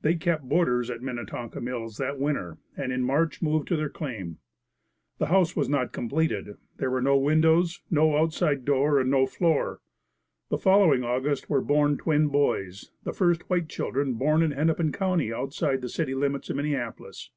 They kept boarders at Minnetonka Mills that winter and in March moved to their claim. The house was not completed. There were no windows, no outside door and no floor. The following August were born twin boys, the first white children born in Hennepin county outside the city limits of Minneapolis.